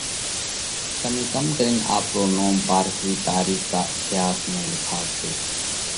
تمي ڪم ڪرينَ آپرو نوم پارڪرِي تارِيخ ڪا اٿياس ۾ لکاوَشو؟